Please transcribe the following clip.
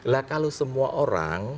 lah kalau semua orang